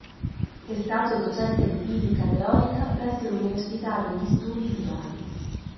È stato docente di Fisica Teorica presso l'Università degli Studi di Bari.